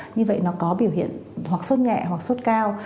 như vậy nó có biểu hiện hoặc sốt nhẹ hoặc sốt cao